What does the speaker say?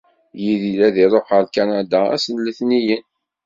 Yidir ad iruḥ ɣer Kanada ass n letniyen.